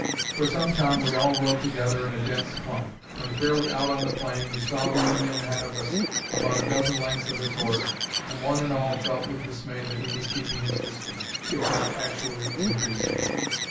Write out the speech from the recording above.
For some time we all rode together in a dense clump. When fairly out on the plain, we saw the Indian ahead of us about a dozen lengths of his horse, and one and all felt with dismay that he was keeping his distance, if not actually increasing it.